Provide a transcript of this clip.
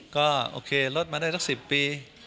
ก็โอเคลดมาได้สัก๑๐ปี